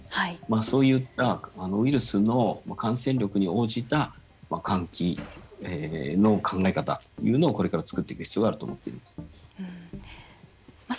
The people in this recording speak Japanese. そういったウイルスの感染力に応じた換気の考え方というのをこれから作っていく必要があると思っています。